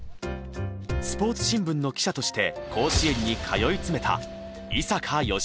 スポーツ新聞の記者として甲子園に通い詰めた井坂善行さん。